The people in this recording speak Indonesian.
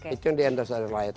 itu yang di endorse oleh rakyat